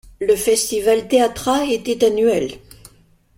Le Festival Théâtra était annuel.